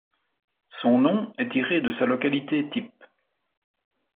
Son nom est tiré de sa localité-type.